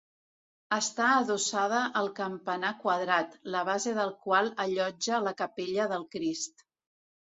Està adossada al campanar quadrat, la base del qual allotja la capella del Crist.